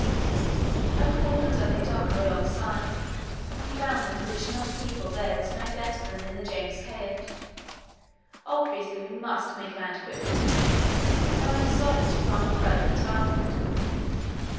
I called the Dudley Docker alongside and found the condition of the people there was no better than in the James Caird. Obviously we must make land quickly, and I decided to run for Elephant Island.